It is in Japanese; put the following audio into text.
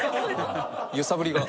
揺さぶりが。